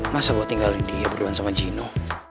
masa gue tinggalin dia berduaan sama gino